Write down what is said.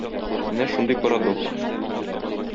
Менә шундый парадокс.